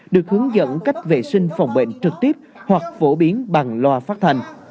được hướng dẫn cách vệ sinh phòng bệnh trực tiếp hoặc phổ biến bằng loa phát thanh